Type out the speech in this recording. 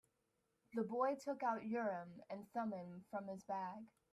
The boy took out Urim and Thummim from his bag.